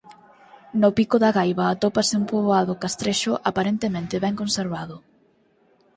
No pico da Gaiba atópase un poboado castrexo aparentemente ben conservado.